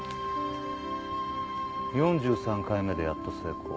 ４３回目でやっと成功。